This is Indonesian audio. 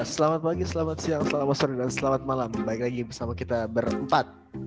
selamat pagi selamat siang selamat sore dan selamat malam balik lagi bersama kita berempat